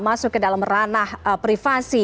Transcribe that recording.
masuk ke dalam ranah privasi